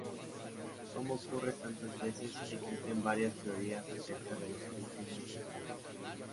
Como ocurre tantas veces, existen varias teorías acerca de los orígenes del pointer.